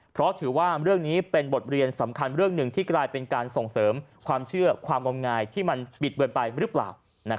เพราะถือว่าเรื่องนี้เป็นบทเรียนสำคัญเรื่องหนึ่งที่กลายเป็นการส่งเสริมความเชื่อความงมงายที่มันบิดเบือนไปหรือเปล่า